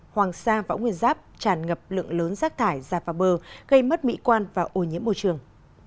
hoàng sa võ nguyên giáp tràn ngập lượng lớn rác thải ra vào bờ gây mất mỹ quan và ô nhiễm môi trường